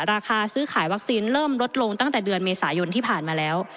ราคาซื้อขายวัคซีนเริ่มลดลงตั้งแต่เดือนเมษายนที่ผ่านมาแล้ว